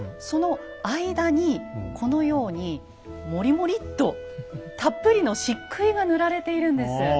その間にこのようにもりもりっとたっぷりの漆喰が塗られているんです。